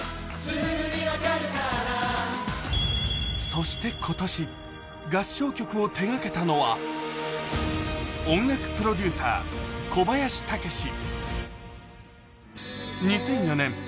そして今年、合唱曲を手がけたのは、音楽プロデューサー・小林武史。